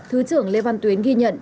thứ trưởng lê văn tuyến ghi nhận